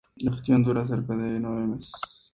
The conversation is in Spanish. La gestación dura cerca de nueve meses.